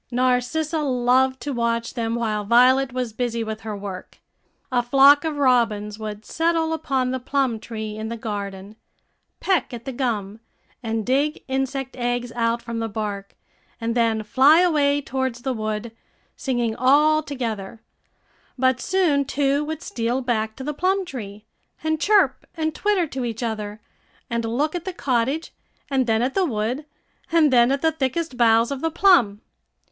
Narcissa loved to watch them while Violet was busy with her work. A flock of robins would settle upon the plum tree in the garden, peck at the gum, and dig insect eggs out from the bark, and then fly away towards the wood, singing all together; but soon two would steal back to the plum tree, and chirp and twitter to each other, and look at the cottage, and then at the wood, and then at the thickest boughs of the plum.